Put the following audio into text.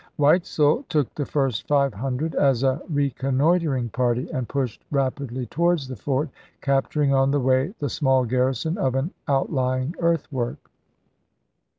Weitzel took the first five hundred as a reconnoitering party and pushed Deo. 25,1864. rapidly towards the fort, capturing on the way the small garrison of an outlying earthwork.